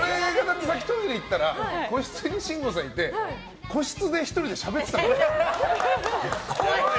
さっきトイレ行ったら個室に慎吾さんがいて個室で１人でしゃべってたから。